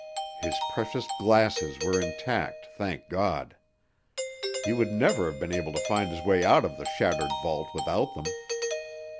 His precious glasses were intact, thank God! He would never have been able to find his way out of the shattered vault without them.